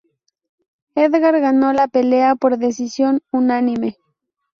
Edgar ganó la pelea por decisión unánime.